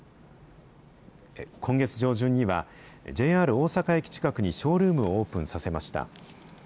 今月上旬には、ＪＲ大阪駅近くにショールームをオープンさせました。